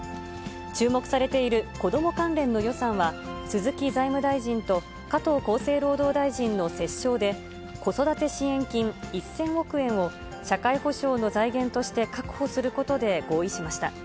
注目されている子ども関連の予算は、鈴木財務大臣と加藤厚生労働大臣の折衝で、子育て支援金１０００億円を社会保障の財源として確保することで合意しました。